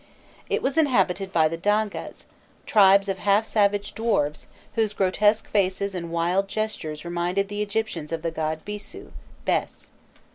It was inhabited by the Dangas, tribes of half savage dwarfs, whose grotesque faces and wild gestures reminded the Egyptians of the god Bîsû (Bes).